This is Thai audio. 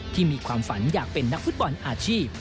มีความฝันอยากเป็นนักฟุตบอลอาชีพ